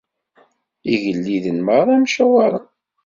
Igelliden merra mcawaṛen.